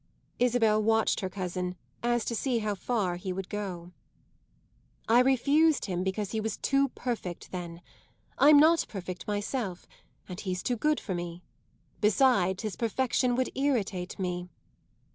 Isabel watched her cousin as to see how far he would go. "I refused him because he was too perfect then. I'm not perfect myself, and he's too good for me. Besides, his perfection would irritate me."